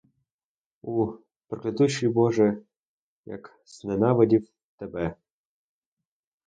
У, проклятущий боже, як зненавидів тебе!